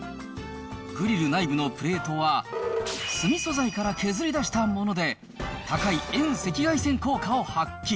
グリル内部のプレートは、炭素材から削り出したもので、高い遠赤外線効果を発揮。